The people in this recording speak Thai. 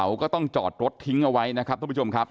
เขาก็ต้องจอดรถทิ้งเอาไว้นะครับทุกผู้ชมครับ